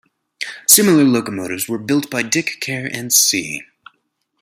Similar locomotives were built by Dick, Kerr and C.